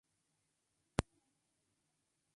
Las hojas alternas y lanceoladas.